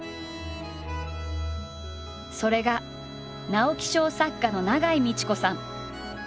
それが直木賞作家の永井路子さん。